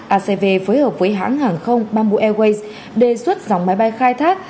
acv phối hợp với hãng hàng không bamboo airways đề xuất dòng máy bay khai thác